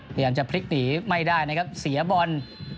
กำลังจะพลิขหนีไม่ได้นะครับเสียบน